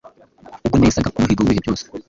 Ubwo nesaga umuhigo w’ibihe byose